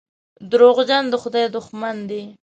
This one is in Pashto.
دروغجن د خدای دښمن دی.